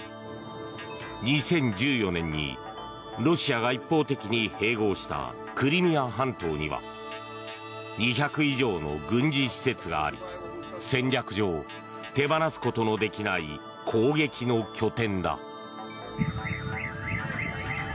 ２０１４年にロシアが一方的に併合したクリミア半島には２００以上の軍事施設があり戦略上、手放すことのできない攻撃の拠点だ。